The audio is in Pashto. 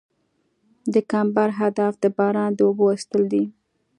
د کمبر هدف د باران د اوبو ایستل دي